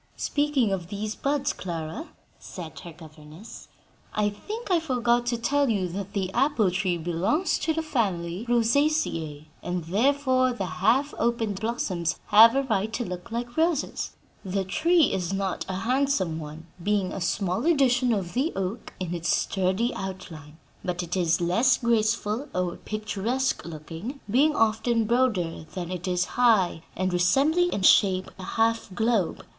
"Speaking of these buds, Clara," said her governess, "I think I forgot to tell you that the apple tree belongs to the family Rosaceae, and therefore the half opened blossoms have a right to look like roses. The tree is not a handsome one, being a small edition of the oak in its sturdy outline, but it is less graceful or picturesque looking, being often broader than it is high and resembling in shape a half globe.